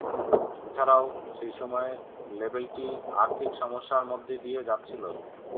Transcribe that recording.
এছাড়াও, সেই সময়ে লেবেলটি আর্থিক সমস্যার মধ্যে দিয়ে যাচ্ছিল।